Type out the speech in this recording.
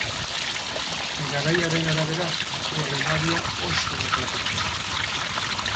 Garaiaren arabera, ur emaria oso desberdina da.